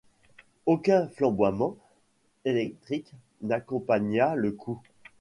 Aucun flamboiement électrique n’accompagna le coup.